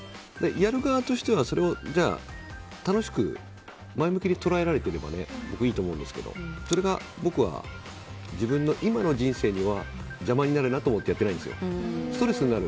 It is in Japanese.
やる側としては楽しく前向きに捉えられていれば僕はいいと思うんですけど、僕は自分の今の人生には邪魔になるなと思ってやっていないんですよ。